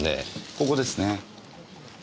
ここですね。